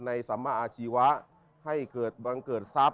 สัมมาอาชีวะให้เกิดบังเกิดทรัพย